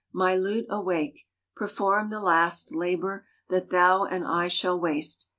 My lute awake! perform the last Labor that thou and I shall waste.